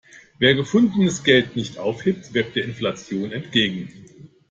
Wer gefundenes Geld nicht aufhebt, wirkt der Inflation entgegen.